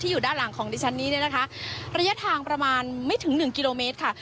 อยู่ด้านหลังของดิฉันนี้เนี่ยนะคะระยะทางประมาณไม่ถึงหนึ่งกิโลเมตรค่ะ